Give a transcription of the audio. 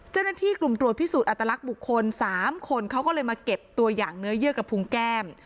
เจ้าหน้าที่กลุ่มตรวจพิสูจนอัตลักษณ์บุคคล๓คนเขาก็เลยมาเก็บตัวอย่างเนื้อเยื่อกระพุงแก้ม